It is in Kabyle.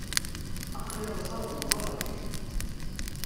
Aql-i rrẓeɣ deg uberḍi.